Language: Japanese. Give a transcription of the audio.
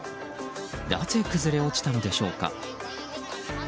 なぜ崩れ落ちたのでしょうか。